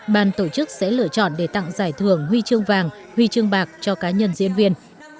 ban tổ chức sẽ lựa chọn để tặng giải thưởng huy chương vàng huy chương bạc cho cá nhân diễn viên